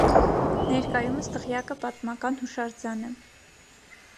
Ներկայումս դղյակը պատմական հուշարձան է։